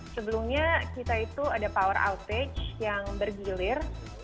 sebelumnya kita itu ada power outtage yang bergilir